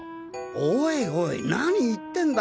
おいおい何言ってんだよ！